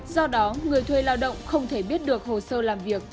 do đó người thuê lao động không thể biết được hồ sơ làm việc